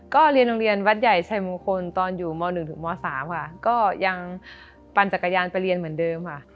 ก็เรียนโรงเรียนวัดใหญ่ชัยมงคลตอนอยู่ม๑ถึงม๓ค่ะก็ยังปั่นจักรยานไปเรียนเหมือนเดิมค่ะ